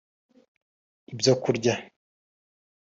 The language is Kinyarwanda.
ibyo kurya